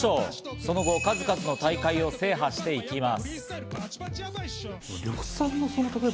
その後、数々の大会を制覇していきます。